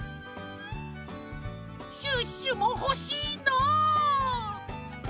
シュッシュもほしいな！